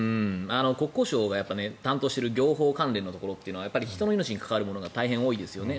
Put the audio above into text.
国交省が担当している行法関連のところは人の命に関わるものが大変多いですよね。